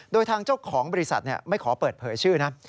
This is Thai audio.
โดยทางเจ้าของบริษัทไม่ขอเปิดเผยชื่อนะ